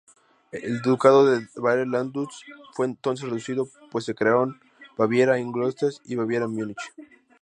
El ducado de Baviera-Landshut fue entonces reducido pues se crearon Baviera-Ingolstadt y Baviera-Múnich.